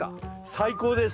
最高です。